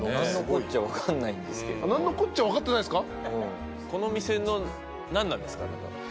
何のこっちゃ分かってないっすか？